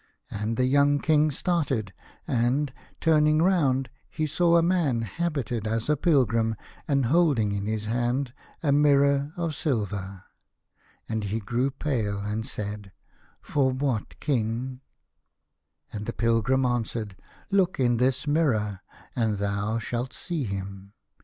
And the young King started, and, turning round, he saw a man habited as a pilgrim and holding in his hand a mirror of silver. o And he grew pale, and said : "For what king ? I) D 17 A House of Pomegranates And the pilgrim answered :" Look in this mirror, and thou shalt see him."